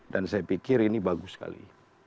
dan saya pikir ini bagus sekali